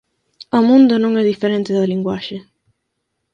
O mundo non é diferente da linguaxe.